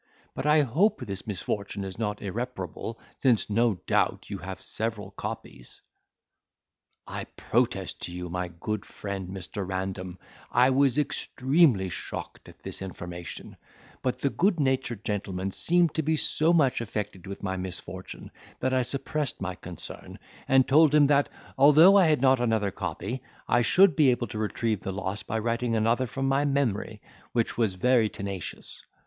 But I hope the misfortune is not irreparable, since, no doubt, you have several copies." "I protest to you, my good friend, Mr. Random, I was extremely shocked at this information; but the good natured gentleman seemed to be so much affected with my misfortune, that I suppressed my concern, and told him that, although I had not another copy, I should be able to retrieve the loss by writing another from my memory, which was very tenacious.